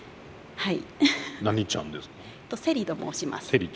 はい。